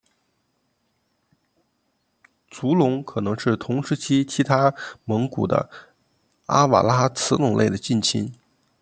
足龙可能是同时期其他蒙古的阿瓦拉慈龙类的近亲。